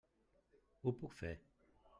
Ho puc fer.